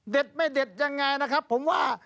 เด็ดไม่เด็ดอย่างไรนะครับผมว่า